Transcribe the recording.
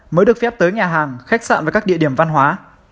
mới được phép tới nhà hàng khách sạn và các địa điểm văn hóa